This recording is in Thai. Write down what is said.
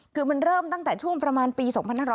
คือมันเริ่มตั้งแต่ช่วงประมาณปี๒๕๖๐